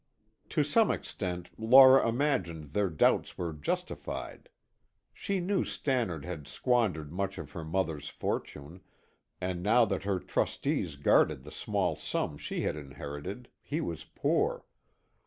To some extent Laura imagined their doubts were justified. She knew Stannard had squandered much of her mother's fortune, and now that her trustees guarded the small sum she had inherited, he was poor.